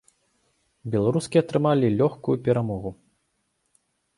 Беларускі атрымалі лёгкую перамогу.